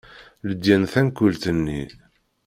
Ledyen tankult-nni.